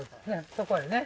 そこへね